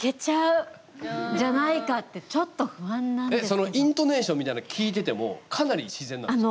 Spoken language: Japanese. そのイントネーションみたいなん聞いててもかなり自然なんですか？